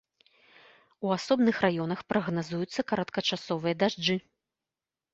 У асобных раёнах прагназуюцца кароткачасовыя дажджы.